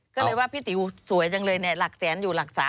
ก็เลยว่าพี่ติ๋วสวยจังเลยเนี่ยหลักแสนอยู่หลัก๓